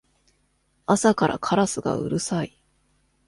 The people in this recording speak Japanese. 朝からカラスがうるさい